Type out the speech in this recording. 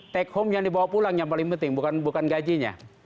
take home yang dibawa pulang yang paling penting bukan gajinya